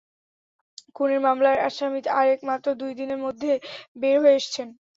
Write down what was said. খুনের মামলার আসামি তারেক মাত্র দুই দিনের মধ্যে বের হয়ে গেছেন।